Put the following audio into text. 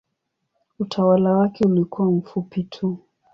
Utawala wake ulikuwa mfupi tu.